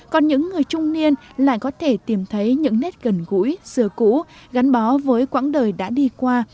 còn những người trung niên lại có thể tìm thấy những nét gần gũi xưa cũ gắn bó với quãng đời đã đi qua